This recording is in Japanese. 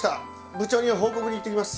部長に報告に行ってきます。